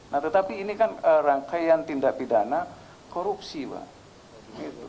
nah tetapi ini kan rangkaian tindak pidana korupsi pak